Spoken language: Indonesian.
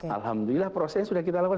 alhamdulillah prosesnya sudah kita lakukan